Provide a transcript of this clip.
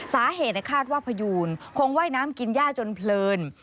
สาเหตุคาดว่าพยูนคงว่ายน้ำกินย่าจนเพลิน